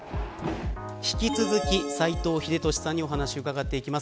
引き続き、斎藤秀俊さんにお話を伺っていきます。